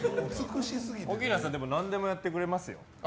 奥菜さんは何でもやってくれますよ。